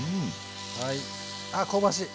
はいあ香ばしい！